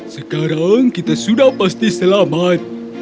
sekarang kita sudah pasti selamat